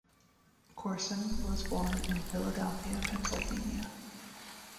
Corson was born in Philadelphia, Pennsylvania.